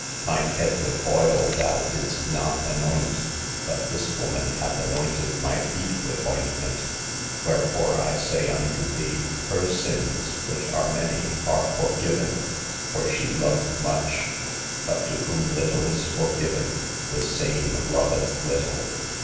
" Mine head with oil thou didst not anoint ; but this woman hath anointed my feet with ointment. u Wherefore, I say unto thee, her sins, which are many, are forgiven; for she loved much; but to whom little is forgiven, the same loveth little.